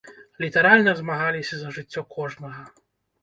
Літаральна змагаліся за жыццё кожнага.